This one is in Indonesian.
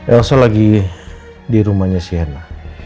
ilsa lagi di rumahnya sienna